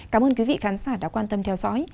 cảm ơn quý vị khán giả đã quan tâm theo dõi